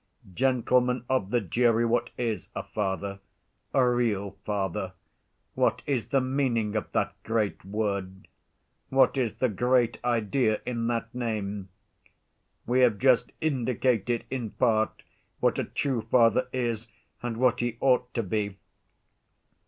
Gentlemen of the jury, what is a father—a real father? What is the meaning of that great word? What is the great idea in that name? We have just indicated in part what a true father is and what he ought to be.